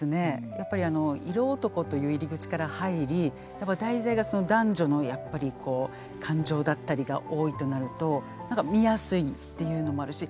やっぱり色男という入り口から入り題材が男女のやっぱりこう感情だったりが多いとなると何か見やすいっていうのもあるし。